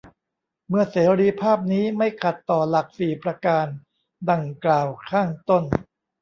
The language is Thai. เมื่อเสรีภาพนี้ไม่ขัดต่อหลักสี่ประการดั่งกล่าวข้างต้น